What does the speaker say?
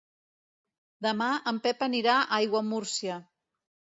Demà en Pep anirà a Aiguamúrcia.